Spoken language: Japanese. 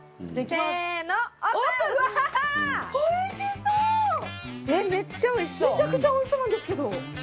めちゃくちゃおいしそうなんですけど。